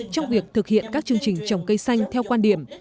trong việc thực hiện các chương trình trồng cây xanh theo quan điểm